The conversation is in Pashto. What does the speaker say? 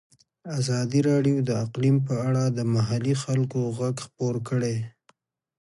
ازادي راډیو د اقلیم په اړه د محلي خلکو غږ خپور کړی.